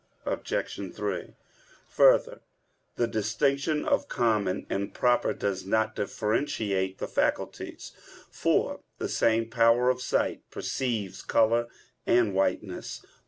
Obj. 3: Further, the distinction of common and proper does not differentiate the faculties; for the same power of sight perceives color and whiteness.